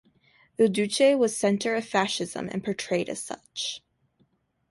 Il Duce was the center of Fascism and portrayed as such.